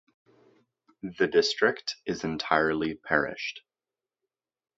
The district is entirely parished.